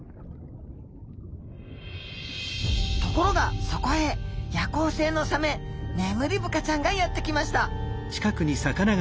ところがそこへ夜行性のサメネムリブカちゃんがやってきました。